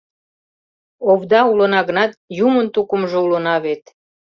Овда улына гынат, юмын тукымжо улына вет!..